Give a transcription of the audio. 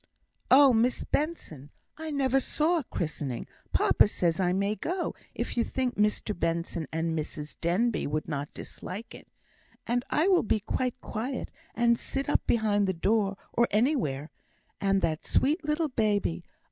"Oh, Miss Benson! I never saw a christening; papa says I may go, if you think Mr Benson and Mrs Denbigh would not dislike it; and I will be quite quiet, and sit up behind the door, or anywhere; and that sweet little baby!